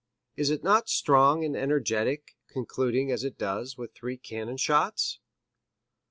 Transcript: Is it not strong and energetic, concluding, as it does, with three cannon shots?"